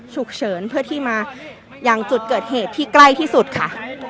ฉุกเฉินเพื่อที่มาอย่างจุดเกิดเหตุที่ใกล้ที่สุดค่ะ